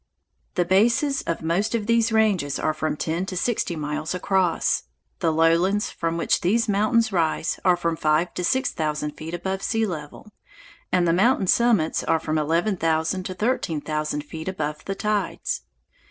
The bases of most of these ranges are from ten to sixty miles across. The lowlands from which these mountains rise are from five to six thousand feet above sea level, and the mountain summits are from eleven thousand to thirteen thousand feet above the tides.